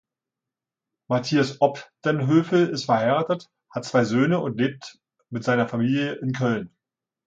Matthias Opdenhövel ist verheiratet, hat zwei Söhne und lebt mit seiner Familie in Köln.